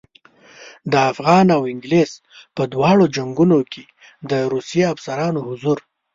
د افغان او انګلیس په دواړو جنګونو کې د روسي افسرانو حضور.